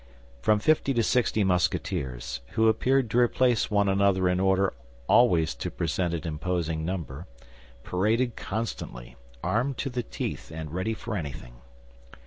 From fifty to sixty Musketeers, who appeared to replace one another in order always to present an imposing number, paraded constantly, armed to the teeth and ready for anything.